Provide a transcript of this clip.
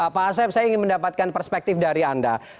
pak asep saya ingin mendapatkan perspektif dari anda